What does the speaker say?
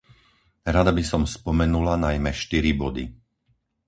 Rada by som spomenula najmä štyri body.